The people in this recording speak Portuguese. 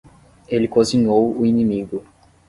Ele cozinhou o inimigo.